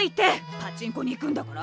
パチンコに行くんだから。